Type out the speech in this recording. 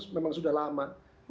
memang sudah lama